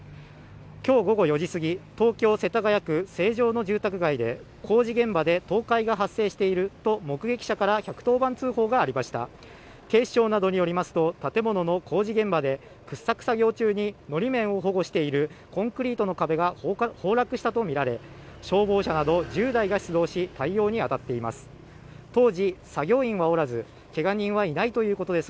今日午後４時すぎ、東京・世田谷区成城の住宅街で工事現場で倒壊が発生していると目撃者から１１０番通報がありました警視庁などによりますと建物の工事現場で掘削作業中にのり面を保護しているコンクリートの壁が崩落したとみられ、消防車など１０台が出動し対応に当たっています。